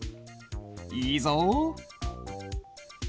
いいぞ。